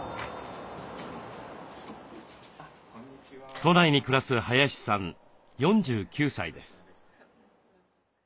都内に暮らす林さん４９歳です。